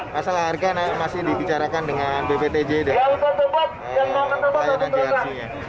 masalah harga masih dibicarakan dengan bptj dan layanan grc